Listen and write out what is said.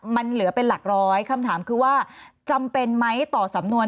มันเหลือเป็นหลักร้อยคำถามคือว่าจำเป็นไหมต่อสำนวน